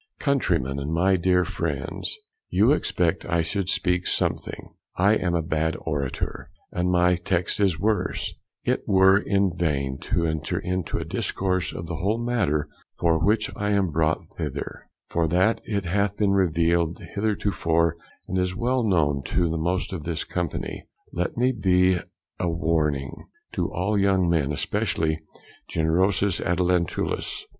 _, Countrymen and my dear Friends, you expect I should speak something; I am a bad Orator, and my text is worse: It were in vain to enter into the discourse of the whole matter for which I am brought hither, for that it hath been revealed heretofore, and is well known to the most of this company; let me be a warning to all young gentlemen, especially generosis adolescentulis.